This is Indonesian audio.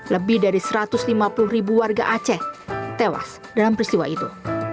lebih dari satu ratus lima puluh ribu warga aceh tewas dalam peristiwa itu